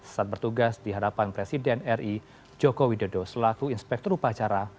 saat bertugas di hadapan presiden ri joko widodo selaku inspektur upacara